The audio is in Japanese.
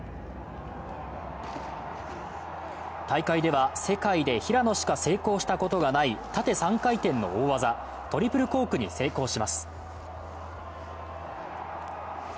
大会では世界で平野しか成功したことがない縦３回転の大技、トリプルコークに成功します。